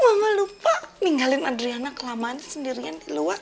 mama lupa ninggalin adriana kelamaan sendirian di luar